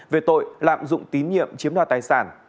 về tội lạm dụng tín nhiệm chiếm đoạt tài sản